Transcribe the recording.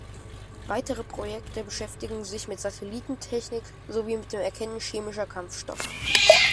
Weitere Projekte beschäftigten sich mit Satellitentechnik sowie mit dem Erkennen chemischer Kampfstoffe.